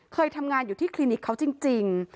เคยทำงานอยู่ที่คลินิกเขาจริง